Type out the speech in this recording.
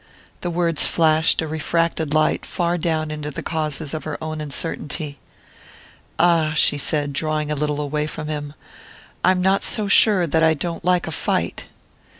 The words flashed a refracted light far down into the causes of her own uncertainty. "Ah," she said, drawing a little away from him, "I'm not so sure that I don't like a fight!"